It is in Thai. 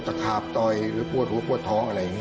จะขาบตอยหรือกลัวหัวกลัวท้ออะไรอย่างนี้